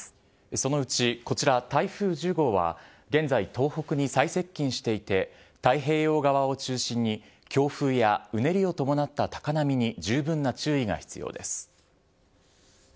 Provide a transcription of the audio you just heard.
そのうちこちら、台風１０号は、現在東北に最接近していて、太平洋側を中心に強風やうねりを伴った高波に十分な注意が必要です。